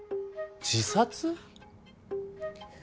自殺？